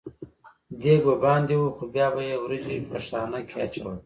دېګ به باندې و خو بیا یې وریجې په خانک کې اچولې.